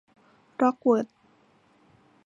ร้อกเวิธ